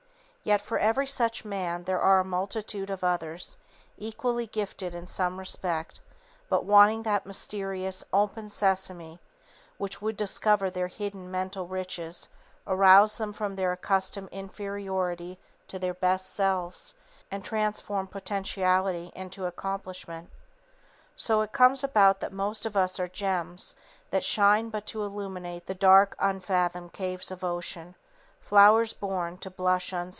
Yet, for every such man there are a multitude of others, equally gifted in some respect, but wanting that mysterious "Open Sesame" which would discover their hidden mental riches, arouse them from their accustomed inferiority to their best selves, and transform potentiality into accomplishment. So it comes about that most of us are gems that shine but to illumine the "dark unfathomed caves of ocean," flowers born to "blush unseen."